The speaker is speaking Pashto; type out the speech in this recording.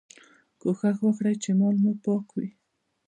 کوښښ وکړئ چي مال مو پاک وي.